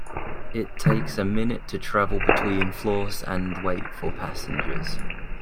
It takes a minute to travel between floors and wait for passengers.